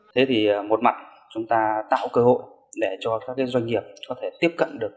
thế thì một mặt chúng ta tạo cơ hội để cho các doanh nghiệp có thể tiếp cận được